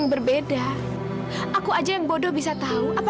marahkan sayang sama ayah ya